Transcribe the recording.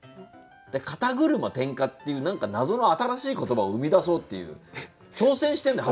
「肩車点火」っていう何か謎の新しい言葉を生み出そうっていう挑戦してるんだよ